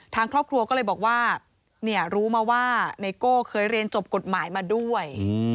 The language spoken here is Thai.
ทางครอบครัวก็เลยบอกว่ารู้มาว่าไนโก้เคยเรียนจบกฎหมายมาด้วย